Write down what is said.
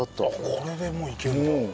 これでもういけるんだ。